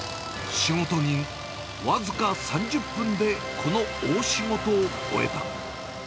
仕事人、僅か３０分でこの大仕事を終えた。